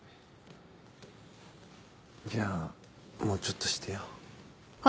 じゃあもうちょっとしてよ。